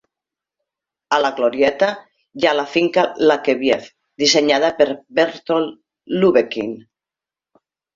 A la glorieta hi ha la finca Lakeview, dissenyada per Berthold Lubetkin.